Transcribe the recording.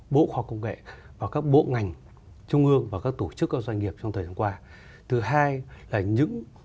bộ khoa học và công nghệ được làm đầu mối hướng dẫn phối hợp với các bộ ngành địa phương